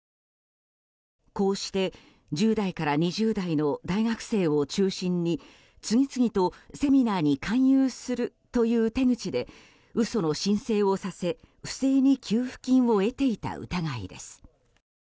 こうして１０代から２０代の大学生を中心に次々とセミナーに勧誘するという手口で嘘の申請をさせ、不正に給付金を得ていた疑いです。